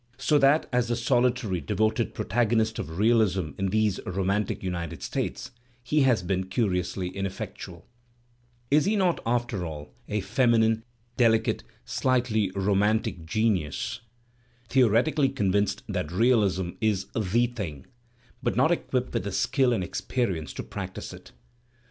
So that as the solitary, devoted protagonist of realism in these romantic United States he has been curiously inef fectual. Digitized by Google f 288 THE SPIRIT OP AMERICAN LITERATURE Is he not, after all, a feminine, delicate, slightly romantic genius, theoretically convinced that realism is "the thing," but not equipped with the skill and experience to practise . it?